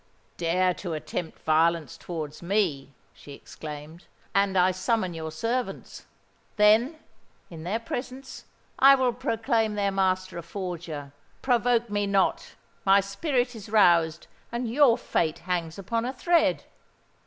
"Dare to attempt violence towards me," she exclaimed, "and I summon your servants. Then—in their presence—I will proclaim their master a forger! Provoke me not—my spirit is roused—and your fate hangs upon a thread!"